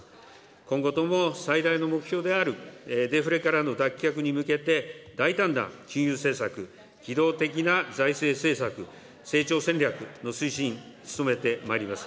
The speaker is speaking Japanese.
今後とも最大の目標であるデフレからの脱却に向けて、大胆な金融政策、機動的な財政政策、成長戦略の推進に努めてまいります。